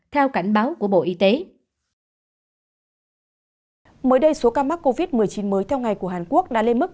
theo cảnh báo của bộ y tế mới đây số ca mắc covid một mươi chín mới theo ngày của hàn quốc đã lên mức